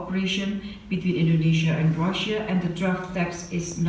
persiapan kembali dari indonesia akan menjadi asas dari hubungan dan kooperasi kepalataan